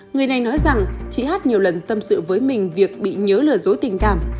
người này nói rằng chị hát nhiều lần tâm sự với mình việc bị nhớ lời dối tình cảm